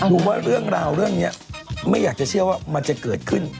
ดูว่าเรื่องราวเรื่องนี้ไม่อยากจะเชื่อว่ามันจะเกิดขึ้น